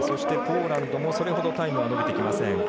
ポーランドもそれほどタイムが伸びてきません。